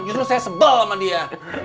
justru saya sebel sama dia